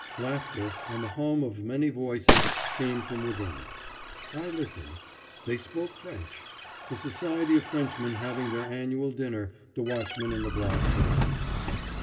Laughter and the hum of many voices came from within. I listened. They spoke French. A society of Frenchmen having their annual dinner, the watchman in the block told me.